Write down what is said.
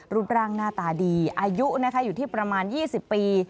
รูปร่างหน้าตาดีอายุนะคะอยู่ที่ประมาณ๒๐ปี